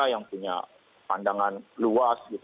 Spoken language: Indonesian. yang punya pandangan luas